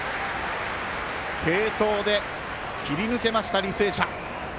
継投で切り抜けました、履正社。